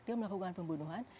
dia melakukan pembunuhan